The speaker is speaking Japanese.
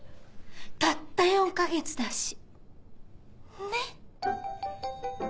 たった４か月だしねっ。